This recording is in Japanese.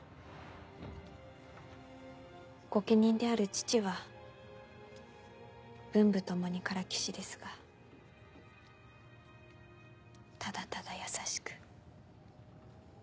御家人である父は文武共にからきしですがただただ優しく。